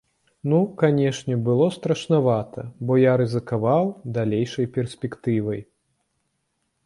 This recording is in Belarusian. Ну, канешне, было страшнавата, бо я рызыкаваў далейшай перспектывай.